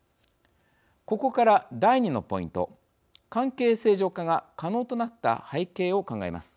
ここから第２のポイント関係正常化が可能となった背景を考えます。